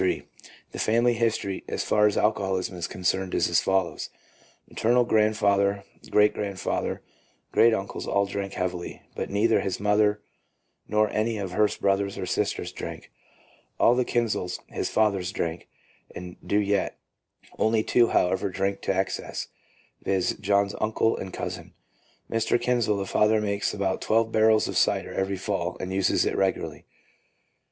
The family history as far as alco holism is concerned is as follows: — Maternal grand father, great grandfather, and great uncles all drank heavily, but neither his mother nor any of her brothers or sisters drank. All the Kinsels (his father's family) drank, and do yet; only two, however, drink to excess — viz., John's uncle and cousin. Mr. Kinsel, the father, makes about twelve barrels of cider every fall, and uses it regularly.